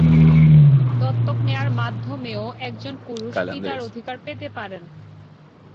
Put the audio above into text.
দত্তক নেওয়ার মাধ্যমেও একজন পুরুষ পিতার অধিকার পেতে পারেন।